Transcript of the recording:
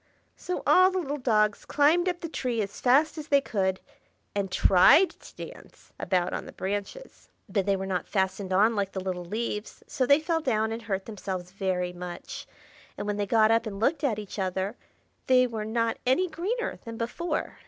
So all the little dogs climbed up the tree as fast as they could, and tried to dance about on the branches. But they were not fastened on like the little leaves, so they fell down and hurt themselves very much; and when they got up and looked at each other, they were not any greener than before.